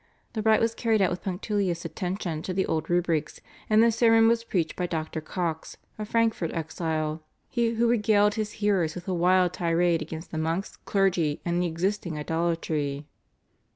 The rite was carried out with punctilious attention to the old rubrics, and the sermon was preached by Dr. Cox, a Frankfurt exile, who regaled his hearers with a wild tirade against the monks, clergy, and the existing idolatry.